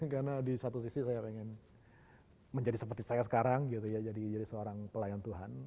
karena di satu sisi saya ingin menjadi seperti saya sekarang jadi seorang pelayan tuhan